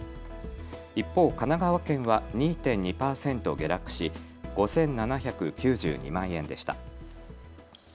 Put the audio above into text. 一方、神奈川県は２．２％下落し５７９２万円でした。